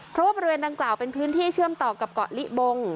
เพราะว่าบริเวณดังกล่าวเป็นพื้นที่เชื่อมต่อกับเกาะลิบง